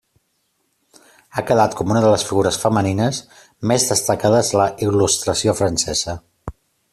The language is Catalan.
Ha quedat com una de les figures femenines més destacades de la Il·lustració francesa.